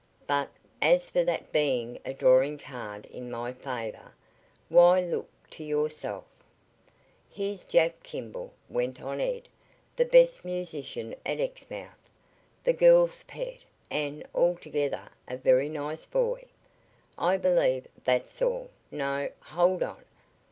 But as for that being a drawing card in my favor, why look to yourself. Here's Jack Kimball," went on Ed, "the best musician at Exmouth. The girls' pet, and, altogether, a very nice boy. I believe that's all no, hold on.